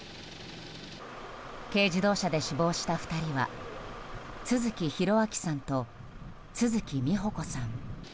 軽自動車で死亡した２人は都築弘明さんと都築美保子さん。